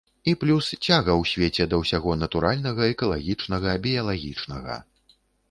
І плюс, цяга ў свеце да ўсяго натуральнага, экалагічнага, біялагічнага.